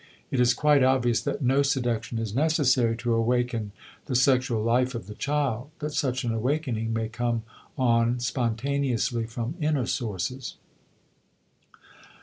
It is quite obvious that no seduction is necessary to awaken the sexual life of the child, that such an awakening may come on spontaneously from inner sources.